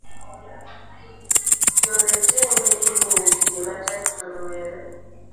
Joretenge imiyo tije matek to rowere